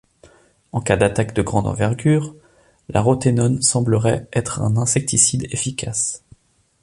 En cas d'attaque de grande envergure, la roténone semblerait être un insecticide efficace.